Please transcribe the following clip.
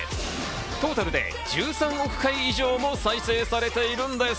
トータルで１３億回以上も再生されているんです。